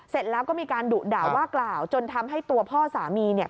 เสร็จแล้วก็มีการดุด่าว่ากล่าวจนทำให้ตัวพ่อสามีเนี่ย